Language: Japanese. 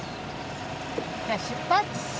じゃあ出発！